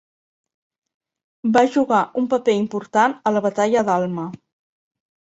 Va jugar un paper important a la batalla d'Alma.